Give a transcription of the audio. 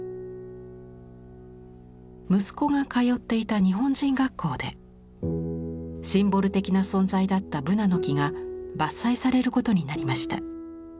息子が通っていた日本人学校でシンボル的な存在だったブナの木が伐採されることになりました。